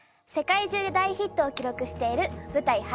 世界中で大ヒットを記録している舞台